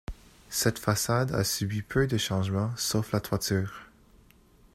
Cette façade a subi peu de changements, sauf la toiture.